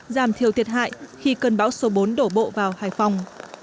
giảm thiểu thiệt hại khi cơn bão số bốn đổ bộ vào hải phòng